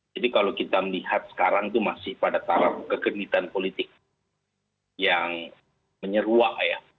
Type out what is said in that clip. jadi kalau kita melihat sekarang itu masih pada taraf kegenitan politik yang menyeruak ya